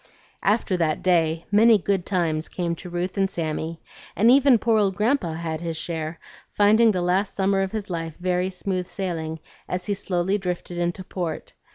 After that day many "good times" came to Ruth and Sammy; and even poor old Grandpa had his share, finding the last summer of his life very smooth sailing as he slowly drifted into port.